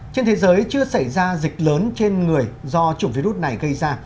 trên thế giới chưa xảy ra dịch lớn trên người do chủng virus này gây ra